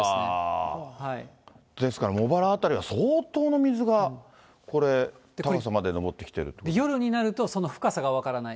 ですから、茂原辺りは相当の水がこれ、夜になると、その深さが分からない。